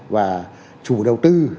và chủ đầu tư